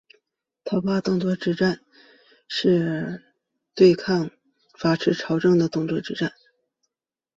讨伐董卓之战是东汉末年关东各地太守刺史组织地方联军对抗把持朝廷的董卓的战役。